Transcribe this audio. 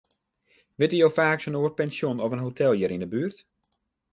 Witte jo faaks in oar pensjon of in hotel hjir yn 'e buert?